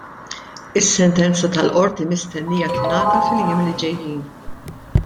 Is-sentenza tal-qorti mistennija tingħata fil-jiem li ġejjin.